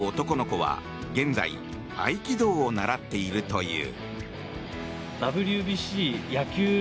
こちらの１０歳の男の子は現在合気道を習っているという。